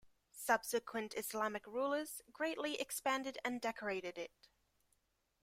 Subsequent Islamic rulers greatly expanded and decorated it.